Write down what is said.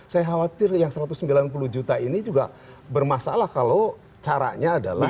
saya khawatir yang satu ratus sembilan puluh juta ini juga bermasalah kalau caranya adalah